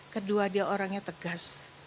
kedua dia orangnya tegas